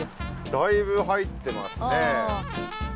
だいぶ入ってますね。